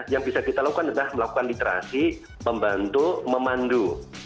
yang bisa kita lakukan adalah melakukan literasi membantu memandu